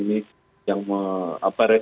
patah untuk puli